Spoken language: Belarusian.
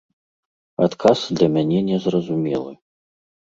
Адказ для мяне незразумелы.